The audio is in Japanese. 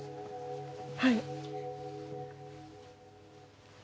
はい。